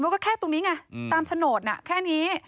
ว่าก็แค่ตรงนี้ไงตามโฉนดแค่นี้